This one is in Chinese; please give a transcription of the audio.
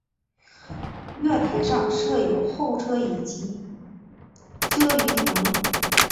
月台上设有候车椅及遮雨棚。